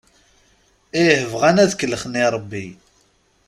Ih, bɣan ad kellxen i Rebbi.